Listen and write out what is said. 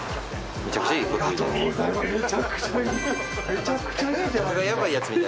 めちゃくちゃいい。